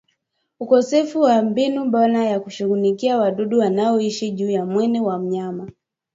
Ukosefu wa mbinu bora ya kushughulikia wadudu wanaoishi juu ya mwili wa mnyama